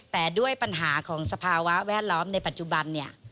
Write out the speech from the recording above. แต่ด้วยปัญหาของสภาวะแวดล้อมในปัจจุบันเนี่ย